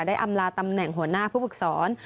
อำลาตำแหน่งหัวหน้าผู้ฝึกสอน